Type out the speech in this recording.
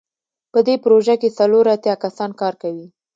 په دې پروژه کې څلور اتیا کسان کار کوي.